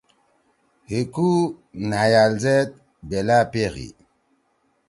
حی کُو نھأجال زید بیلأ پیخ ہی۔